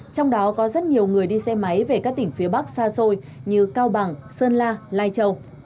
trong đó có rất nhiều người đi xe máy về các tỉnh phía bắc xa xôi như cao bằng sơn la lai châu